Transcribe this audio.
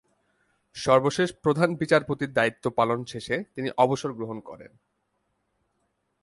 সর্বশেষ প্রধান বিচারপতির দায়িত্বপালন শেষে তিনি অবসর গ্রহণ করেন।